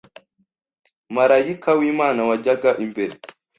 Marayika w’Imana wajyaga imbere